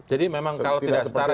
jadi memang kalau tidak setara